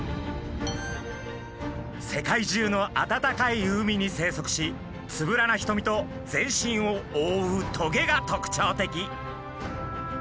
世界中の暖かい海に生息しつぶらなひとみと全身を覆うトゲが特徴的。